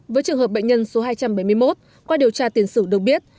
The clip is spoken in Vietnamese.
với trường hợp bệnh nhân số hai trăm bảy mươi một qua điều tra tiền sử được biết